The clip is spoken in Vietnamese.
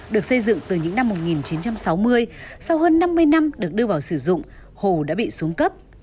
được xây dựng từ những năm một nghìn chín trăm sáu mươi sau hơn năm mươi năm được đưa vào sử dụng hồ đã bị xuống cấp